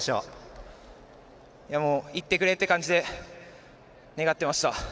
いってくれっていう感じで願ってました。